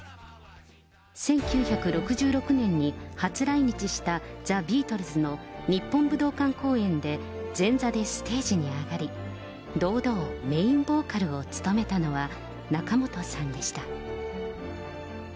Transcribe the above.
１９６６年に初来日したザ・ビートルズの日本武道館公演で前座でステージに上がり、堂々メインボーカルを務めたのは、仲本さんでした。